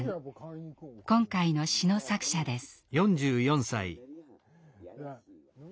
今回の詩の作者です。